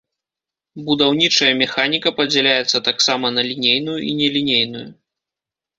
Будаўнічая механіка падзяляецца таксама на лінейную і нелінейную.